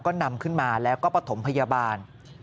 ก็นำขึ้นมาแล้วก็ประถมพยาบาล